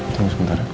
tunggu sebentar ya